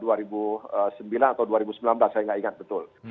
atau dua ribu sembilan belas saya nggak ingat betul